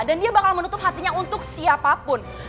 dan dia bakal menutup hatinya untuk siapapun